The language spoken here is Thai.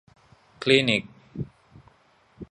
คลินิก